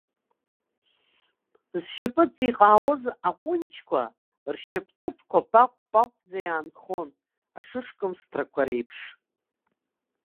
Зшьапы ҵиҟаауаз аҟәынџьқәа, ршьап ҭыԥқәа паҟә-паҟәӡа иаанхон, ашышкамс ҭрақәа реиԥш.